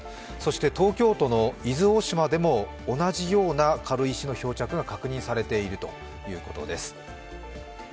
東京都の伊豆大島でも同じような軽石の漂着が確認されているということです。